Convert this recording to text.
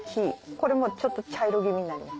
これもちょっと茶色気味になります。